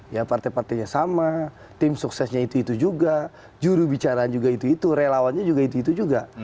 ya partai partainya sama tim suksesnya itu itu juga juru bicara juga itu itu relawannya juga itu itu juga